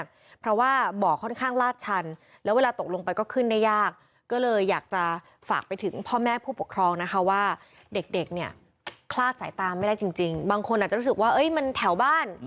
เด็กเนี้ยคลาดสายตามไม่ได้จริงจริงบางคนอาจจะรู้สึกว่าเอ้ยมันแถวบ้าน